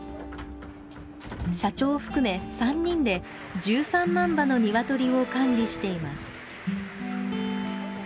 社長を含め３人で１３万羽のニワトリを管理しています。